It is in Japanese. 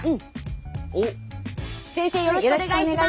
よろしくお願いします。